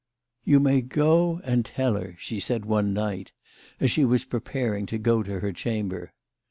" You may go and tell her," she said one night as she was preparing to go to her chamher.